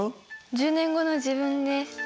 １０年後の自分です。